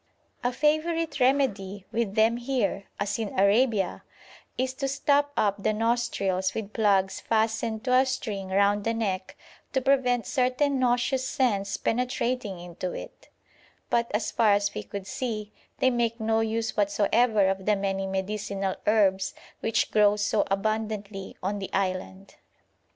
A favourite remedy with them here, as in Arabia, is to stop up the nostrils with plugs fastened to a string round the neck to prevent certain noxious scents penetrating into it; but, as far as we could see, they make no use whatsoever of the many medicinal herbs which grow so abundantly on the island.